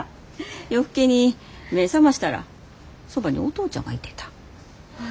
夜更けに目ぇ覚ましたらそばにお父ちゃんがいてた。